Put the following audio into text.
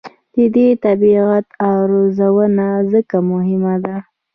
د دې طبیعت ارزونه ځکه مهمه ده.